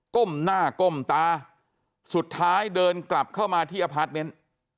ก้มหน้าก้มตาสุดท้ายเดินกลับเข้ามาที่อพาร์ทเมนต์